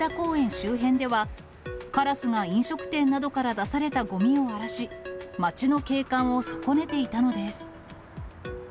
周辺では、カラスが飲食店などから出されたごみを荒らし、町の景観を損ねていたのです。